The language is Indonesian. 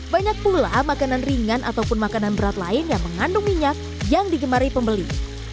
banyak pula makanan ringan ataupun makanan berat lain yang mengandung minyak yang digemari pembeli